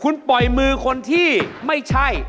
คุณปล่อยมือคนที่ไม่ใช่